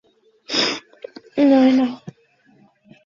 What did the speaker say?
দেখো, নায়না।